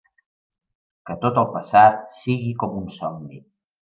Que tot el passat siga com un somni.